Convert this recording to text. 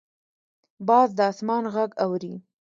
باز د اسمان غږ اوري